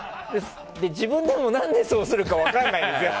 自分でも何でそうするか分からないんですよ。